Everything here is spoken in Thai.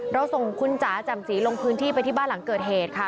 เราส่งคุณจ๋าแจ่มสีลงพื้นที่ไปที่บ้านหลังเกิดเหตุค่ะ